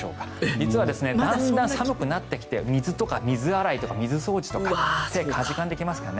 実は、だんだん寒くなってきて水とか水洗いとか水掃除とか手がかじかんできますからね。